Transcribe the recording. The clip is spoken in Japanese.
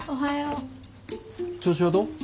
調子はどう？